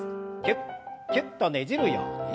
キュッキュッとねじるように。